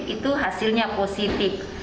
itu hasilnya positif